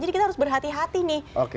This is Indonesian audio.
jadi kita harus berhati hati nih